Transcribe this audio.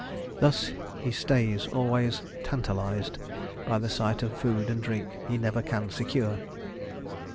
Thus he stays, always "tantalized" by the sight of food and drink he never can secure.